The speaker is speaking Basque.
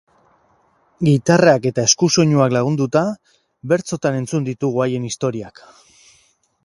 Gitarrak eta eskusoinuak lagunduta, bertsotan entzun ditugu haien historiak.